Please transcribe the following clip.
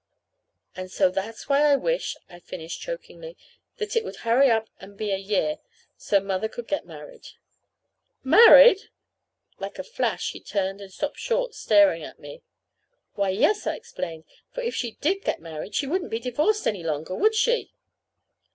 "And so that's why I wish," I finished chokingly, "that it would hurry up and be a year, so Mother could get married." "Married!" Like a flash he turned and stopped short, staring at me. "Why, yes," I explained; "for if she did get married, she wouldn't be divorced any longer, would she?"